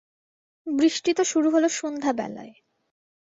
বৃষ্টি তো শুরু হল সুন্ধ্যাবেলায়।